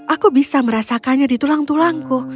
aku bisa merasakannya di tulang tulangku